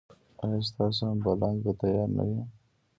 ایا ستاسو امبولانس به تیار نه وي؟